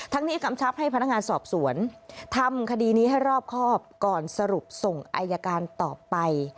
นี้กำชับให้พนักงานสอบสวนทำคดีนี้ให้รอบครอบก่อนสรุปส่งอายการต่อไป